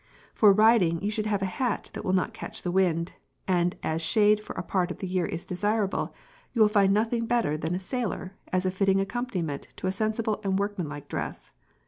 p> For riding you should have a hat that will not catch the wind, and as shade for a part of the year is desirable, you will find nothing better than a "sailor" as a fitting accompaniment to a sensible and workmanlike dress.